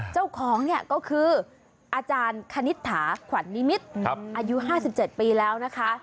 เจ้าของเนี่ยก็คืออาจารย์คณิตถาขวัญนิมิตรอายุ๕๗ปีแล้วนะคะ